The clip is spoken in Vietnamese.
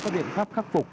có điện pháp khắc phục